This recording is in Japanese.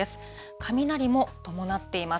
雷も伴っています。